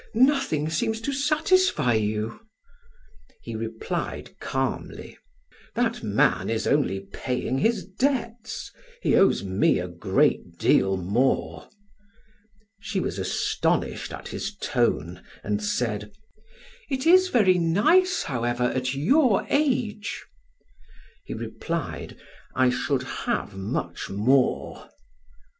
Nothing seems to satisfy you." He replied calmly: "That man is only paying his debts; he owes me a great deal more." She was astonished at his tone, and said: "It is very nice, however, at your age." He replied: "I should have much more."